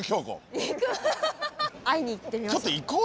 会いに行ってみましょう。